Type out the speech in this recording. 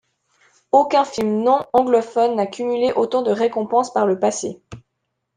Aucun film non-anglophone n'a cumulé autant de récompenses par le passé.